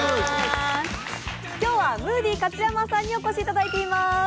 今日はムーディ勝山さんにお越しいただいています。